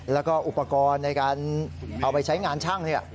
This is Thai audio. แล้วก็อุปกรณ์ในการเอาไปใช้งานช่าง